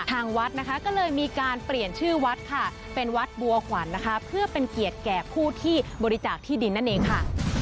ทางวัดนะคะก็เลยมีการเปลี่ยนชื่อวัดค่ะเป็นวัดบัวขวัญนะคะเพื่อเป็นเกียรติแก่ผู้ที่บริจาคที่ดินนั่นเองค่ะ